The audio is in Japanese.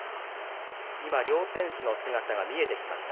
今、両選手の姿が見えてきました。